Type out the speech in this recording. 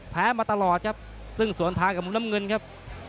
มาตลอดครับซึ่งสวนทางกับมุมน้ำเงินครับ